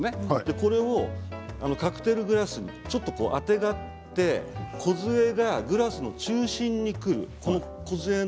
これをカクテルグラスにちょっとあてがってこずえがグラスの中心にくる。